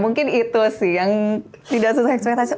mungkin itu sih yang tidak sesuai ekspektasi